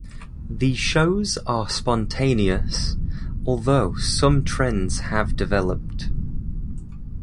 The shows are spontaneous, although some trends have developed.